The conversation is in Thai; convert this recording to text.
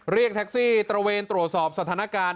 เรียกแท็กซี่ตระเวนตรวจสอบสถานการณ์